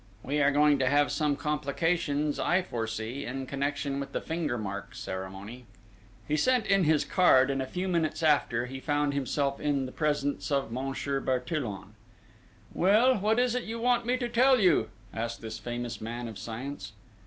We are going to have some complications, I foresee, in connection with the finger mark ceremony!" He sent in his card and a few minutes after he found himself in the presence of Monsieur Bertillon. "Well, what is it you want me to tell you?" asked this famous man of science.